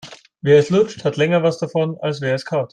Wer es lutscht, hat länger etwas davon, als wer es kaut.